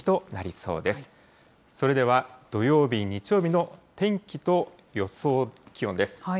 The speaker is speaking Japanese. それでは土曜日、日曜日の天気と予想気温です。